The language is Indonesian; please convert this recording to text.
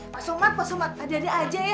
pak somad pak somad adi adi aja ya